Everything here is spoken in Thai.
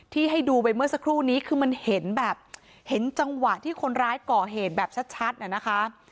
ให้ดูไปเมื่อสักครู่นี้คือมันเห็นแบบเห็นจังหวะที่คนร้ายก่อเหตุแบบชัดน่ะนะคะ